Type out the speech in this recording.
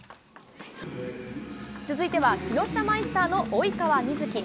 続いては木下マイスターの及川瑞基。